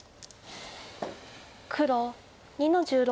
黒２の十六。